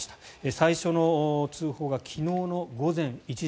最初の通報が昨日の午前１時。